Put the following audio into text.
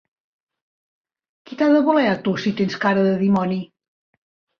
Qui t’ha de voler a tu si tens cara de dimoni?